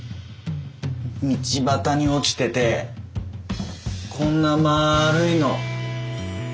道端に落ちててこんなまるいの。